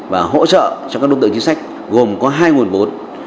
và hỗ trợ cho các đối tượng chính sách gồm có hai nguồn vốn